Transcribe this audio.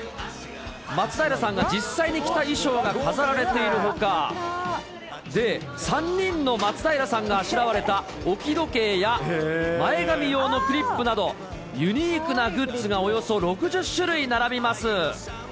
松平さんが実際に着た衣装が飾られているほか、で、３人の松平さんがあしらわれた置き時計や前髪用のクリップなど、ユニークなグッズがおよそ６０種類並びます。